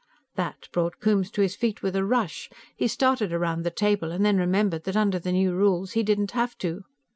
That brought Coombes to his feet with a rush. He started around the table and then remembered that under the new rules he didn't have to.